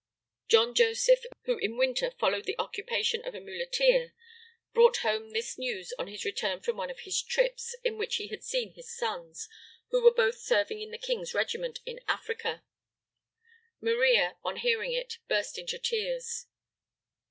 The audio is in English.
John Joseph, who in winter followed the occupation of a muleteer, brought home this news on his return from one of his trips, in which he had seen his sons, who were both serving in the King's regiment, in Africa. Maria, on hearing it, burst into tears.